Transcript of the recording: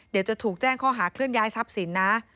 เดี๋ยวจะถูกแจ้งข้อหาเคลื่อนย้ายทรัพย์สินนะ